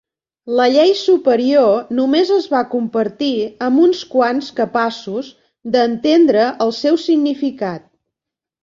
La llei superior només es va compartir amb uns quants capaços d'entendre el seu significat.